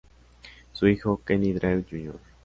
Su hijo, Kenny Drew Jr.